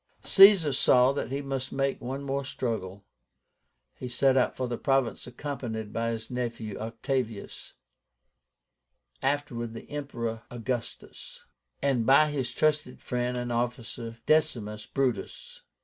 Caesar saw that he must make one more struggle. He set out for the province accompanied by his nephew OCTAVIUS (afterwards the Emperor AUGUSTUS), and by his trusted friend and officer, DECIMUS BRUTUS.